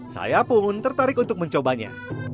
saya pun tertarik untuk mencobanya